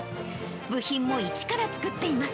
部品も一から作っています。